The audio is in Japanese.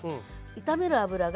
炒める油が。